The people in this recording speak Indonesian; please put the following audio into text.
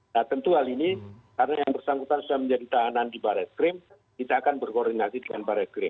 nah tentu hal ini karena yang bersangkutan sudah menjadi tahanan di barreskrim kita akan berkoordinasi dengan baris krim